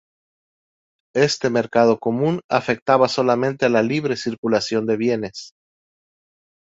Este mercado común afectaba solamente a la libre circulación de bienes.